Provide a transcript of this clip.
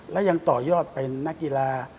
และยังต่อยอดเป็นนักกีฬา